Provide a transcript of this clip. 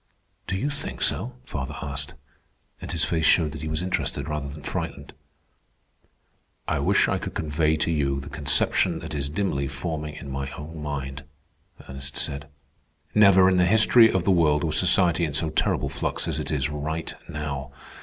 "Do you think so?" father asked, and his face showed that he was interested rather than frightened. "I wish I could convey to you the conception that is dimly forming in my own mind," Ernest said. "Never in the history of the world was society in so terrific flux as it is right now.